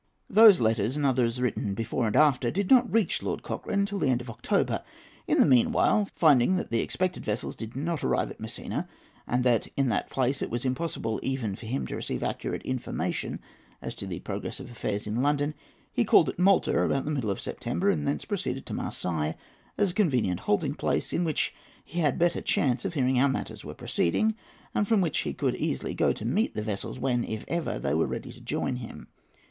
Those letters, and others written before and after, did not reach Lord Cochrane till the end of October. In the meanwhile, finding that the expected vessels did not arrive at Messina, and that in that place it was impossible even for him to receive accurate information as to the progress of affairs in London, he called at Malta about the middle of September, and thence proceeded to Marseilles, as a convenient halting place, in which he had better chance of hearing how matters were proceeding, and from which he could easily go to meet the vessels when, if ever, they were ready to join him.